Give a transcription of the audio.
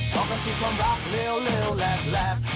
พอกันที่ความรักเลวเลวแหลกแหลก